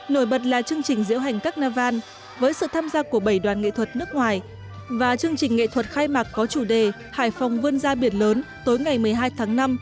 nổi bật là chương trình diễu hành các navan với sự tham gia của bảy đoàn nghệ thuật nước ngoài và chương trình nghệ thuật khai mạc có chủ đề hải phòng vươn ra biển lớn tối ngày một mươi hai tháng năm